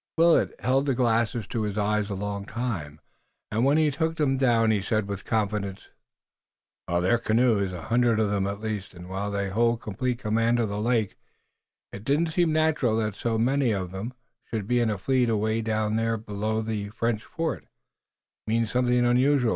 Willet held the glasses to his eyes a long time, and when he took them down he said with confidence: "They're canoes, a hundred of 'em at least, and while they hold complete command of the lake, it don't seem natural that so many of 'em should be in a fleet away down there below the French fort. It means something unusual.